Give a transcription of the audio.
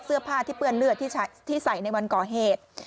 เสื้อผ้าที่เปื้อนเลือดที่ใส่ในวันก่อเหตุ